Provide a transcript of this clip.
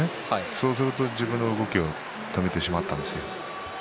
そうすると自分の動きを止めてしまったんですよ。